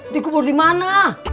di kubur dimana